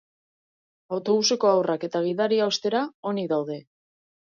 Autobuseko haurrak eta gidaria, ostera, onik daude.